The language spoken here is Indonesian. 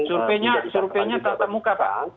surveinya tata muka pak